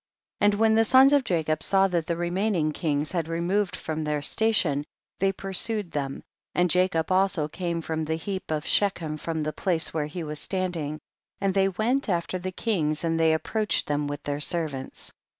3. And when the sons of Jacob saw that the remaining kings had re moved from their station, they pur sued them, and Jacob also came from the heap of Shechem from the place where he was standing, and they went after the kings and they ap proached them with their servants.